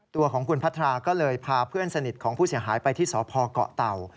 ตัวของคุณพัทราก็เลยพาเพื่อนสนิทของผู้เสียหายไปที่สพเกาะเต่า